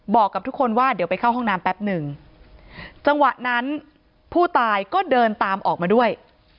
บอกกับทุกคนว่าเดี๋ยวไปเข้าห้องน้ำแป๊บหนึ่งจังหวะนั้นผู้ตายก็เดินตามออกมาด้วย